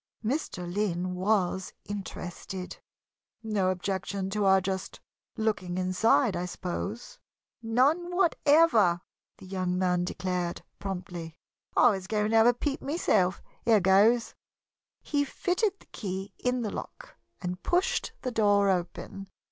Mr. Lynn was interested. "No objection to our just looking inside, I suppose?" "None whatever," the young man declared, promptly. "I was going to have a peep myself. Here goes!" He fitted the key in the lock and pushed the door open.